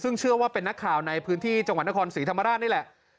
ซึ่งเชื่อว่าเป็นนักข่าวในพื้นที่จังหวัดนครศรีธรรมราชนี่แหละ